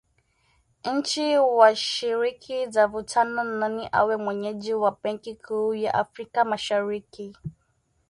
Nchi washiriki zavutana nani awe mwenyeji wa benki kuu ya Afrika Mashariki